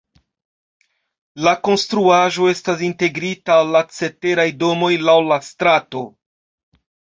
La konstruaĵo estas integrita al la ceteraj domoj laŭ la strato.